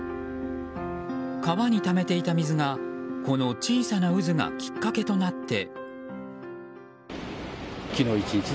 川にためていた水がこの小さな渦がきっかけとなって。